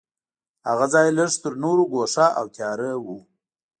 هغه ځای لږ تر نورو ګوښه او تیاره و.